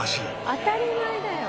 当たり前だよ。